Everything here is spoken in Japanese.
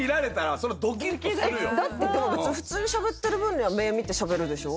そりゃだってでも普通にしゃべってる分には目を見てしゃべるでしょ？